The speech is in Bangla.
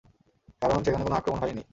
কারণ, সেখানে কোনো আক্রমণ হয়ইনি।